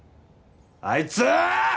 あいつ！